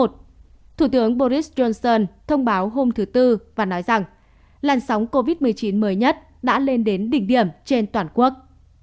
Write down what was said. thủ tướng boris johnson thông báo hôm thứ tư và nói rằng làn sóng covid một mươi chín mới nhất đã lên đến đỉnh điểm trên toàn quốc